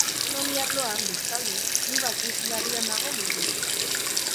Ekonomi arloan, bestalde, kluba krisi larrian dago murgilduta.